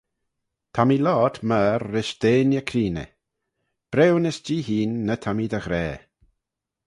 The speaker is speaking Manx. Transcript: Ta mee loayrt myr rish deiney creeney: briwnys-jee hene ny ta mee dy ghra.